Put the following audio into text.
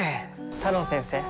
太郎先生。